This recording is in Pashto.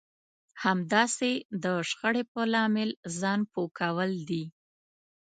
همداسې د شخړې په لامل ځان پوه کول دي.